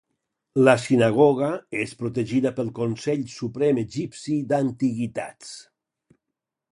La sinagoga és protegida pel consell suprem egipci d'antiguitats.